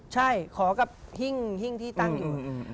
ใช่ขอกับหิ้งที่ตั้งอยู่